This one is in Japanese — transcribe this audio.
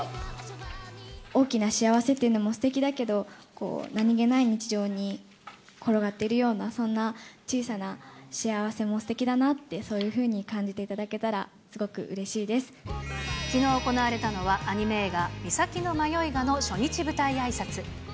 大きな幸せというのもすてきだけど、こう、何気ない日常に転がっているような、そんな小さな幸せもすてきだなって、そういうふうに感じていただけたら、きのう行われたのは、アニメ映画、岬のマヨイガの初日舞台あいさつ。